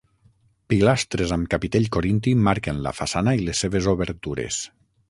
Pilastres amb capitell corinti marquen la façana i les seves obertures.